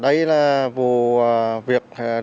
ở đây là vụ việc hành động